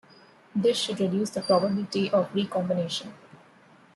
This should reduce the probability of recombination.